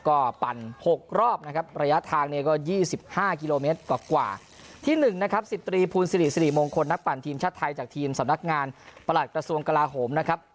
ก็ปั่น๖รอบนะครับระยะทางเนี่ยก็๒๕กิโลเมตรกว่าที่๑นะครับ๑๐ตรีภูลสิริสิริมงคลนักปั่นทีมชาติไทยจากทีมสำนักงานประหลัดกระทรวงกลาโหมนะครับ